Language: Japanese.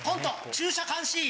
「駐車監視員」。